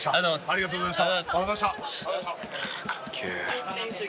ありがとうございます。